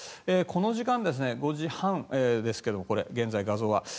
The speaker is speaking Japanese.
この時間５時半ですが現在、画像は。